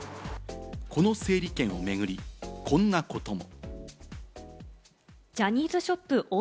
この整理券を巡り、こんなことも。